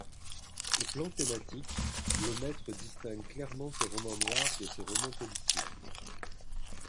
Au plan thématique, Lemaitre distingue clairement ses romans noirs de ses romans policiers.